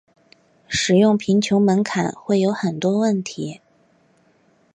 使用贫穷门槛会有很多问题。